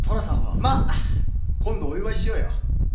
まあ今度お祝いしようよ！